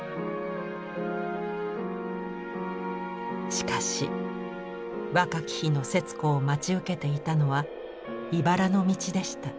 しかし若き日の節子を待ち受けていたのはいばらの道でした。